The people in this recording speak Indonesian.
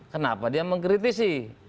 kenapa dia mengkritisi